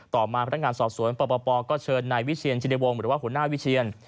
ต่อมาพนักงานสอบสวนปปก็เชิญนายวิเชียนชินวงศ์หรือว่าหัวหน้าวิเชียน